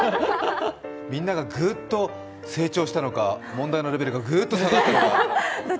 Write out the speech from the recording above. みんながグッと成長したのか、問題のレベルがグッと下がったのか。